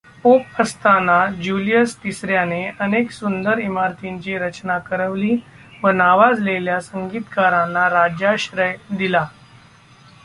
Pope असताना Julius तिसऱ्याने अनेक सुंदर ईमारतींची रचना करवली व नावाजलेल्या संगीतकारांना राज्याश्रय दिला.